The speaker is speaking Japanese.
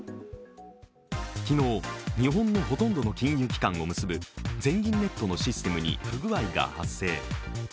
昨日、日本のほとんどの金融機関を結ぶ全銀ネットのシステムに不具合が発生。